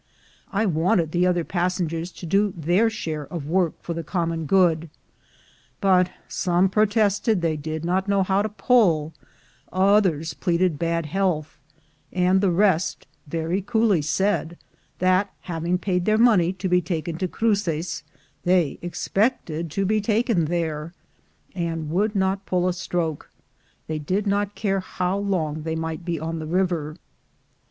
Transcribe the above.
I wanted the other passengers to do their share of work for the common good, but some protested they did not know how to pull, others pleaded bad health, and the rest very coolly said, that having paid their money to be taken to Cruces, they expected to be taken there, and would not pull a stroke; they did not care how long they might be on the river.